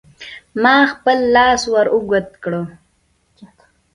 ما خپل لاس ور اوږد کړ.